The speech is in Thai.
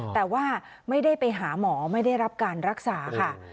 แต่ว่าไม่ได้ไปหาหมอไม่ได้รับการรักษาค่ะ